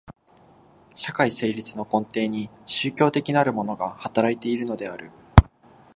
社会成立の根底に宗教的なるものが働いているのである。